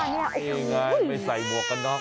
นี่ไงไม่ใส่หมวกกันน็อก